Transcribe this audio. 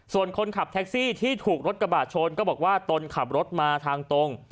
ส่วนคนขับแท็กซี่ที่ถูกรถกระบาดชนก็บอกว่าตนขับรถมาทางตรง